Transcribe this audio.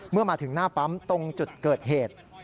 เมื่อมาถึงหน้าปั๊มตรงจุดเกิดเหตุ